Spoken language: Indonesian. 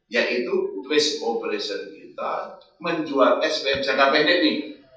yaitu face operation kita menjual svm jangka pendek ini